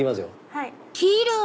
はい。